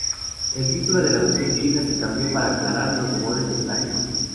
El título de la versión china se cambió para aclarar los rumores de plagio.